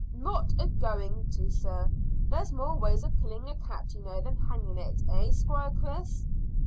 "Not a going to, sir. There's more ways of killing a cat, you know, than hanging it. Eh, Squire Chris?"